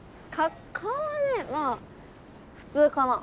顔はねまあ普通かな。